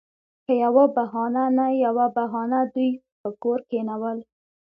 پـه يـوه بهـانـه نـه يـوه بهـانـه دوي پـه کـور کېـنول.